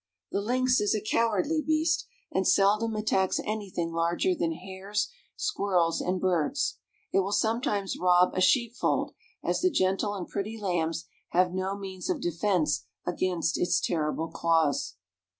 The lynx is a cowardly beast, and seldom attacks anything larger than hares, squirrels, and birds. It will sometimes rob a sheep fold, as the gentle and pretty lambs have no means of defense against its terrible claws.